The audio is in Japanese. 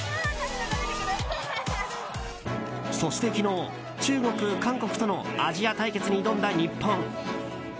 そして昨日、中国、韓国とのアジア対決に挑んだ日本。